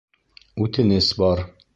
— Үтенес бар...